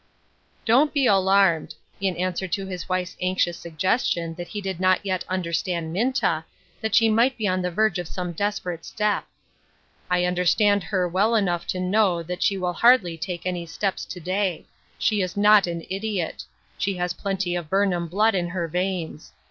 " Don't be alarmed," in answer to his wife's anxious suggestion that he did not yet understand Minta, that she might be on the verge of some desperate step ;" I understend her well enough to know that she will hardly take any steps to day ; she is not an idiot ; she has plenty of Burnham blood in her veins.